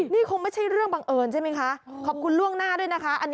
นี่คงไม่ใช่เรื่องบังเอิญใช่ไหมคะขอบคุณล่วงหน้าด้วยนะคะ